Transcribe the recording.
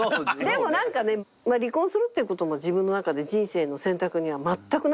でもなんかね離婚するっていう事も自分の中で人生の選択には全くなくて。